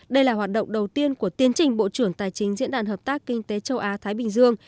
đây là hoạt động đầu tiên của tiến trình bộ trưởng tài chính diễn đàn hợp tác kinh tế châu á thái bình dương